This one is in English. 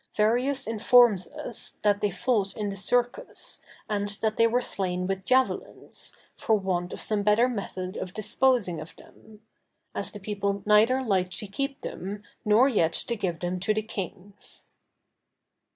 Verrius informs us, that they fought in the Circus, and that they were slain with javelins, for want of some better method of disposing of them; as the people neither liked to keep them nor yet to give them to the kings.